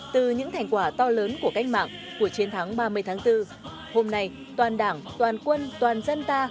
từ những thành quả to lớn của cách mạng của chiến thắng ba mươi tháng bốn hôm nay toàn đảng toàn quân toàn dân ta